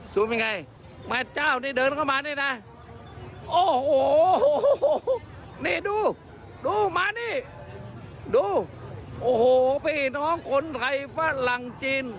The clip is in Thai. ยังไงแม่เจ้านี่เดินเข้ามานี่นะโอ้โหนี่ดูดูมานี่ดูโอ้โหพี่น้องคนไทยฝรั่งจีน